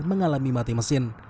mengalami mati mesin